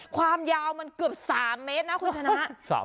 ความยาวมันเกือบ๓เมตรนะคุณชนะ